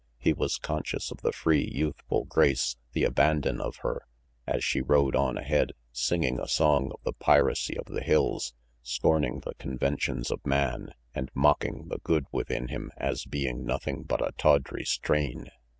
He was conscious of the free, youthful grace, the abandon of her, as she rode on ahead, singing a song of the piracy of the hills, scorning the conven tions of man, and mocking the good within him as being nothing but a tawdry strain.